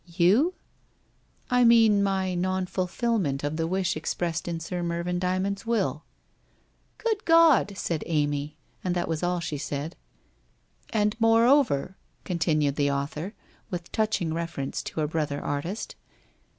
' You ?'' I mean my non fulfilment of the wish expressed in Sir Mervyn Dymond's will.' 'Good Lord!' said Amy, and that was all she said. ' And moreover !' continued the author, with touching reference to a brother artist.